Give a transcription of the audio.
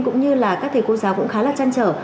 cũng như là các thầy cô giáo